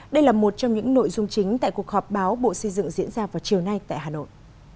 đây là một trong những nội dung chính tại cuộc họp báo bộ xây dựng diễn ra vào chiều nay tại hà nội